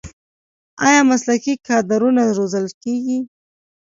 آیا مسلکي کادرونه روزل کیږي؟